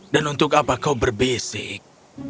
dan untuk apa kau berbisik